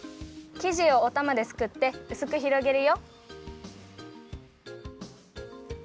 きじをおたまですくってうすくひろげるよ。